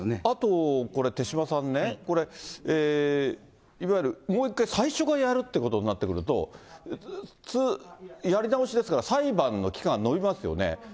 あと、これ手嶋さんね、いわゆるもう一回最初からやるってことになってくると、やり直しですから、裁判の期間、延びますよね。